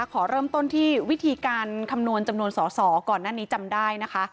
ขอเริ่มต้นที่วิธีการคำนวณจำนวนสอสอก่อนหน้านี้จำได้นะคะ